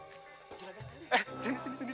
eh sini sini sini